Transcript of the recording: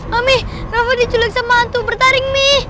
mami rafa diculik sama hantu bertaring mi